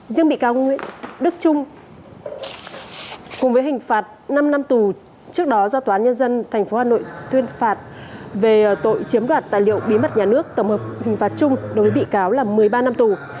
riêng bị cáo nguyễn đức trung cùng với hình phạt năm năm tù trước đó do tòa án nhân dân tp hà nội tuyên phạt về tội chiếm đoạt tài liệu bí mật nhà nước tổng hợp hình phạt chung đối với bị cáo là một mươi ba năm tù